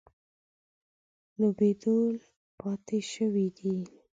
لوبېدو پاتې شوي دي.